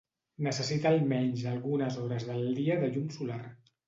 Necessita almenys algunes hores del dia de llum solar.